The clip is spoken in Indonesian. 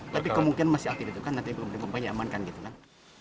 tapi kemungkinan masih aktif itu kan nanti belum dikumpulkan ya aman kan gitu kan